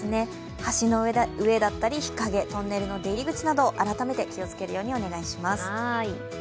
橋の上だったり、日陰、とんねるの出入り口など、改めて気をつけるようにお願いします。